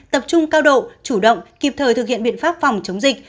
tập trung cao độ chủ động kịp thời thực hiện biện pháp phòng chống dịch